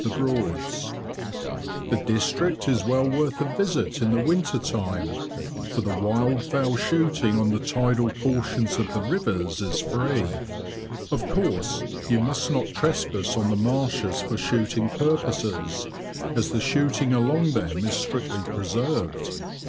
This district is well worth a visit in the winter time, for the wild fowl shooting on the tidal portions of the rivers is free (of course you must not trespass on the marshes for shooting purposes, as the shooting along them is strictly preserved).